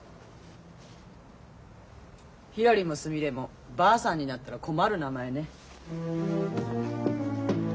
ひらりもすみれもばあさんになったら困る名前ね。